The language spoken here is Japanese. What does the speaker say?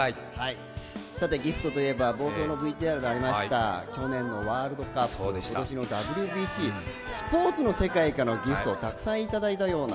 さて、ＧＩＦＴといえば、冒頭のＶＴＲでありました去年のワールドカップ、今年のＷＢＣスポーツの世界からのＧＩＦＴをたくさんいただいたような。